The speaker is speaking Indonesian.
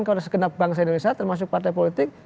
kalau ada sekenap bangsa indonesia termasuk partai politik